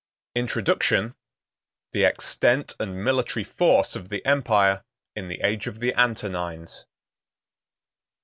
Introduction. The Extent And Military Force Of The Empire In The Age Of The Antonines.